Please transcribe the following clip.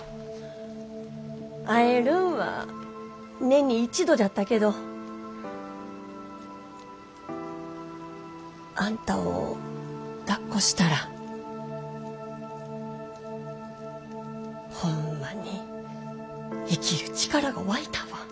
会えるんは年に一度じゃったけどあんたをだっこしたらホンマに生きる力が湧いたわ。